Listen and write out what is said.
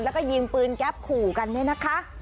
แล้วก็ยิงปืนแก๊ปขู่กันเนี่ยนะคะ